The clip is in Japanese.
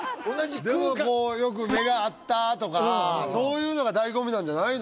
もうよく目が合ったとかそういうのが醍醐味なんじゃないの？